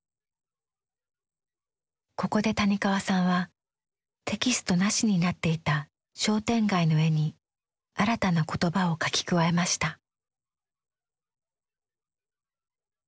ここで谷川さんはテキストなしになっていた商店街の絵に新たな言葉を書き加えました。